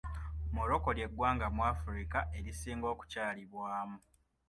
Morocco ly'eggwanga mu Afirika erisinga okukyalibwamu..